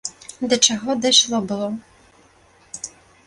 Да чаго дайшло было.